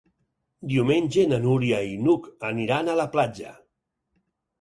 Diumenge na Núria i n'Hug aniran a la platja.